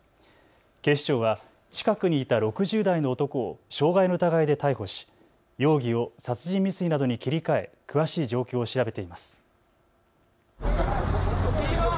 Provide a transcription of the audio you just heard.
警視庁は近くにいた６０代の男を傷害の疑いで逮捕し容疑を殺人未遂などに切り替え詳しい状況を調べています。